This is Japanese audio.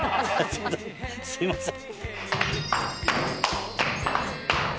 すいません。